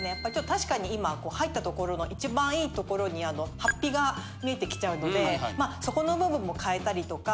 確かに今入ったところの一番いいところにハッピが見えてきちゃうのでそこの部分も変えたりとか